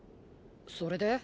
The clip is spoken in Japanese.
それで？